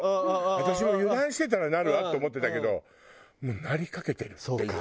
私も油断してたらなるわって思ってたけどもうなりかけてるっていう恐怖。